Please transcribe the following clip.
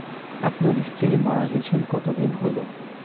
আপনার স্ত্রী মারা গেছেন কত দিন হল?